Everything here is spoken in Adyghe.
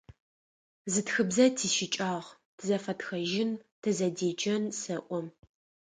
Зы тхыбзэ тищыкӏагъ: тызэфэтхэжьын, тызэдеджэн, сэӏо.